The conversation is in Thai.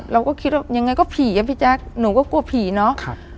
เราก็คิดว่ายังไงก็ผีอะพี่แจ๊คหนูก็กลัวผีเนาะ